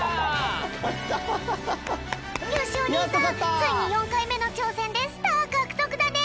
ついに４かいめのちょうせんでスターかくとくだね！